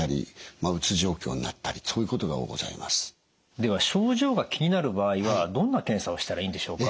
では症状が気になる場合はどんな検査をしたらいいんでしょうか？